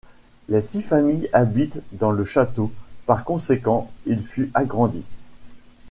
Les six familles habitent dans le château, par conséquent il fut agrandi.